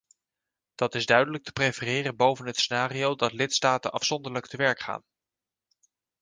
Dat is duidelijk te prefereren boven het scenario dat lidstaten afzonderlijk te werk gaan.